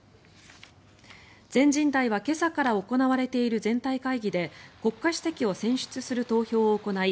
全人代は今朝から行われている全体会議で国家主席を選出する投票を行い